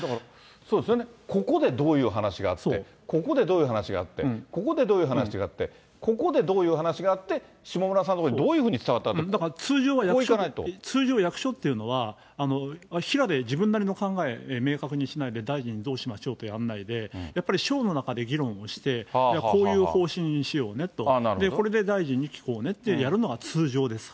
そうですよね、ここでどういう話があって、ここでどういう話があって、ここでどういう話があって、ここでどういう話があって、下村さんのところにどういうふうに伝だから通常、役所っていうのは、平で自分なりの考え明確にしなきゃ、大臣にどうしましょうってやんないで、やっぱり省の中で議論をして、こういう方針にしようねと、これで大臣に聞こうねってやるのが通常です。